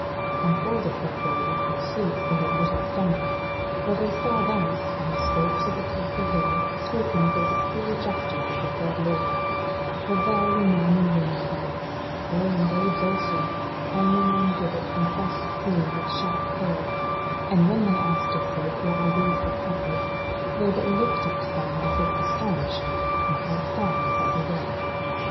And for the said bailey, forsooth, they had but little stomach; for they saw thence, on the slopes of the Castle hill, tokens of the cruel justice of the said lord; for there were men and women there, yea, and babes also, hanging on gibbets and thrust through with sharp pales, and when they asked of folk why these had suffered, they but looked at them as if astonished, and passed on without a word.